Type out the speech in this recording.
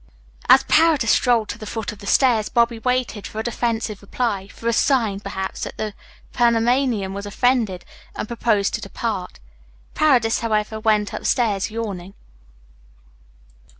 As Paredes strolled to the foot of the stairs Bobby waited for a defensive reply, for a sign, perhaps, that the Panamanian was offended and proposed to depart. Paredes, however, went upstairs, yawning.